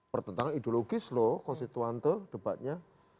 pertentangan ideologis loh konstituante debatnya